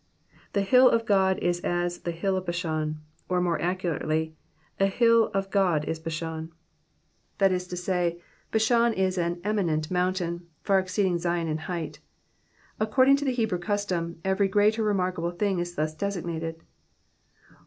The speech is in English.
77i« hUl of God is as the hill of Jiashan,^'' or more accurately, a hill of God is Bashan," that is to say, Bashan is an eminent mountain, far exceeding Zion in height. According to the Hebrew custom, every great or remarkable thing is thus designated.